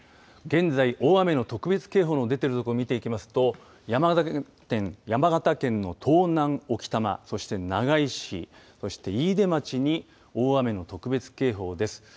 現在、大雨特別警報の出てる所見ていきますと山形県の東南置賜そして長井市そして飯豊町に大雨の特別警報です。